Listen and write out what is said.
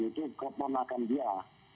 itu keponakan dia